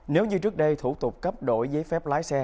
nếu như trước đây thủ tục cấp đổi giấy phép lái xe